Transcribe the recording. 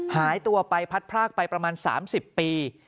หายตัวไปพัดพรากไปประมาณ๓๐ปี